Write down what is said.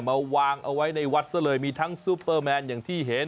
มาวางเอาไว้ในวัดซะเลยมีทั้งซูเปอร์แมนอย่างที่เห็น